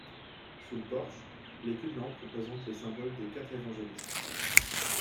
Sous le porche, les culs de lampe représentent les symboles des quatre évangélistes.